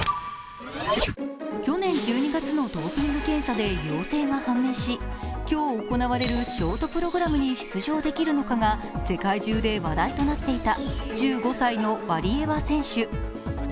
去年１２月のドーピング検査で陽性が判明し今日行われるショートプログラムに出場できるのかが世界中で話題となっていた１５歳のワリエワ選手。